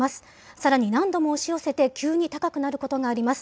さらに何度も押し寄せて、急に高くなることがあります。